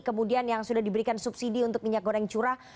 kemudian yang sudah diberikan subsidi untuk minyak goreng curah